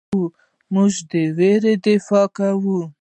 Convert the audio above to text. موږ د ویرې دفاع کوو.